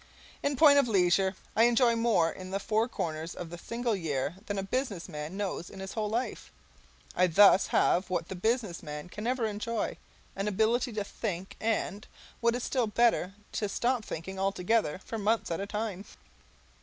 In point of leisure, I enjoy more in the four corners of a single year than a business man knows in his whole life. I thus have what the business man can never enjoy, an ability to think, and, what is still better, to stop thinking altogether for months at a time.